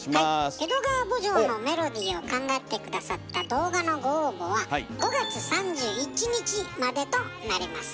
「江戸川慕情」のメロディーを考えて下さった動画のご応募は５月３１日までとなります。